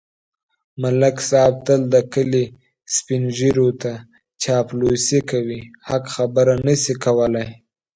ملک صاحب تل د کلي سپېنږیروته چاپلوسي کوي. حق خبره نشي کولای.